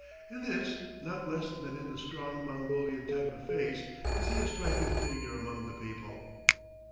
In this, not less than in the strong Mongolian type of face, is he a striking figure among the people.